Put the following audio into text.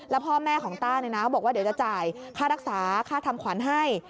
แล้วพ่อแม่ของต้าบอกว่าเดี๋ยวจะจ่ายค่ารักษาค่าทำขวัญให้